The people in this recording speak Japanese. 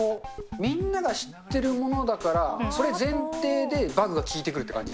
みんなが知ってるものだから、それ前提でバグが効いてくるって感じ。